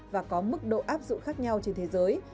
và có mức độ áp dụng khác nhau trên thế giới